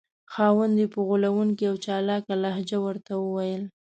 خاوند یې په غولونکې او چالاکه لهجه ورته وویل.